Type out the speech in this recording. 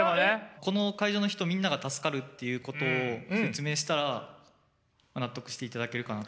この会場の人みんなが助かるということを説明したら納得していただけるかなと。